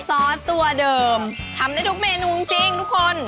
ซอสตัวเดิมทำได้ทุกเมนูจริงทุกคน